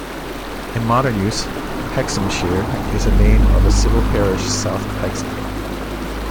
In modern use, Hexhamshire is a name of a civil parish south of Hexham.